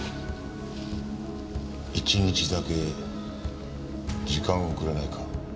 １日だけ時間をくれないか？